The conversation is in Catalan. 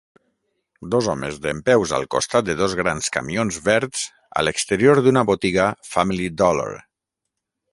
Dos homes dempeus al costat de dos grans camions verds a l'exterior d'una botiga Family Dollar.